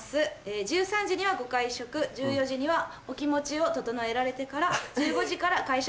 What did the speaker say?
１３時にはご会食１４時にはお気持ちを整えられてから１５時から。